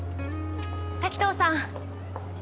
滝藤さん。